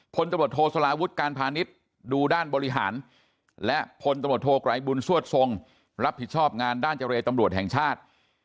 พลตำรวจโทสลาวุฒิการพาณิชย์ดูด้านบริหารและพลตำรวจโทไกรบุญสวดทรงรับผิดชอบงานด้านเจรตำรวจแห่งชาติ